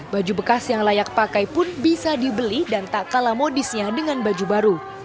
baju bekas yang layak pakai pun bisa dibeli dan tak kalah modisnya dengan baju baru